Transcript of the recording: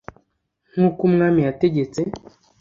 nk uko umwami yategetse